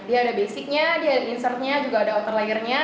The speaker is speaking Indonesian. dia ada basicnya dia ada insertnya juga ada outerlayernya